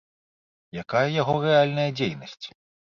Якая яго рэальная дзейнасць?